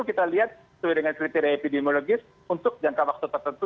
kita lihat sesuai dengan kriteria epidemiologis untuk jangka waktu tertentu